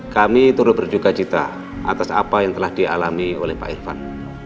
kami terus berjuka cita atas apa yang telah dialami oleh pak irvan